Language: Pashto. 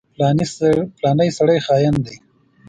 فلانی سړی خاين دی.